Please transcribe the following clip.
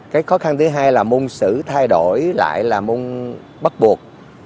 cái khó khăn thứ hai là môn sử thay đổi lại là môn bắt buộc